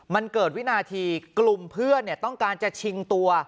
มันเกิดวินาทีกลุ่มเพื่อนต้องการจะชิงตัว